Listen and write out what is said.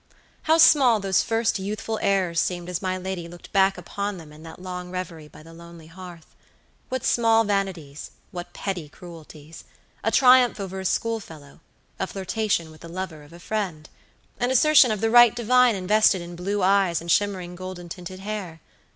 How small those first youthful errors seemed as my lady looked back upon them in that long revery by the lonely hearth! What small vanities, what petty cruelties! A triumph over a schoolfellow; a flirtation with the lover of a friend; an assertion of the right divine invested in blue eyes and shimmering golden tinted hair.